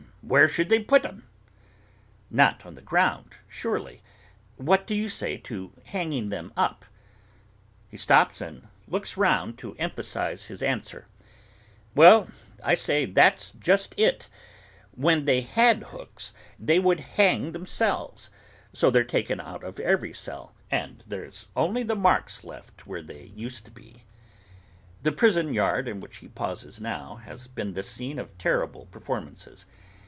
'Where should they put 'em?' 'Not on the ground surely. What do you say to hanging them up?' He stops and looks round to emphasise his answer: 'Why, I say that's just it. When they had hooks they would hang themselves, so they're taken out of every cell, and there's only the marks left where they used to be!' The prison yard in which he pauses now, has been the scene of terrible performances.